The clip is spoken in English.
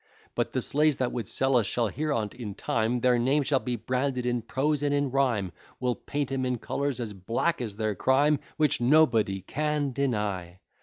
But the slaves that would sell us shall hear on't in time, Their names shall be branded in prose and in rhyme, We'll paint 'em in colours as black as their crime. Which nobody can deny.